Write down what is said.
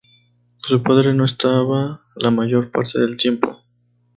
Su padre no estaba la mayor parte del tiempo.